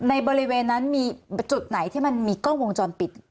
ในบริเวณนั้นมีจุดไหนที่มันมีกล้องวงจรปิด